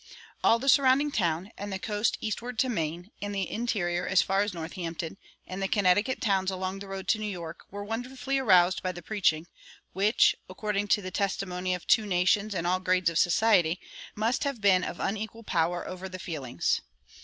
All the surrounding towns, and the coast eastward to Maine, and the interior as far as Northampton, and the Connecticut towns along the road to New York, were wonderfully aroused by the preaching, which, according to the testimony of two nations and all grades of society, must have been of unequaled power over the feelings.